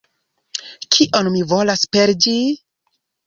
Kion mi volas per ĝi?